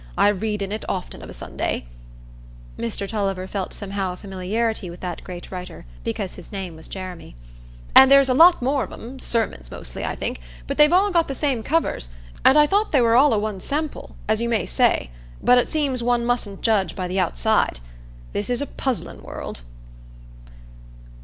I read in it often of a Sunday" (Mr Tulliver felt somehow a familiarity with that great writer, because his name was Jeremy); "and there's a lot more of 'em,—sermons mostly, I think,—but they've all got the same covers, and I thought they were all o' one sample, as you may say. But it seems one mustn't judge by th' outside. This is a puzzlin' world."